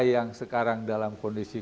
yang sekarang dalam kondisi